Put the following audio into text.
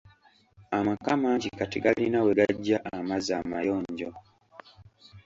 Amaka mangi kati galina we gaggya amazzi amayonjo.